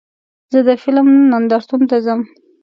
زه د فلم نندارتون ته ځم.